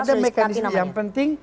ada mekanisme yang penting